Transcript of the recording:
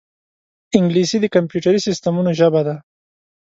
انګلیسي د کمپیوټري سیستمونو ژبه ده